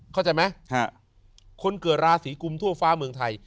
เข้าใจไหมคนเกิดราศีกุมทั่วฟ้าเมืองไทย